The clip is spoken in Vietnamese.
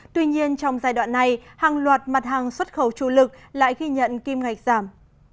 tuy nhiên trong giai đoạn này hàng loạt mặt hàng xuất khẩu chủ lực lại ghi nhận kim ngạch giảm